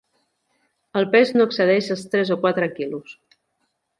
El pes no excedeix els tres o quatre quilos.